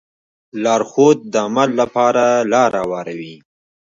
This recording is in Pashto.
لارښود د عمل لپاره لاره هواروي.